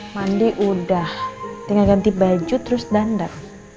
mandi udah tinggal ganti baju terus dandar